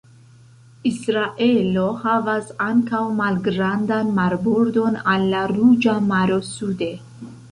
Israelo havas ankaŭ malgrandan marbordon al la Ruĝa Maro sude.